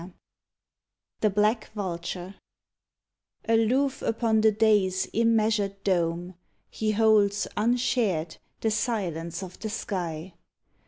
29 THE BLACK VULTURE Aloof upon the day's immeasured dome, He holds unshared the silence of the sky.